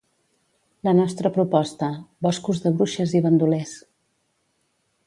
La nostra proposta: boscos de bruixes i bandolers.